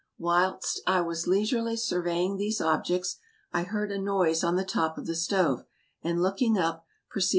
Whilst I was leisurely surveying these objects I heard a noise on the top of the stove, and, looking ino^ percre^ye.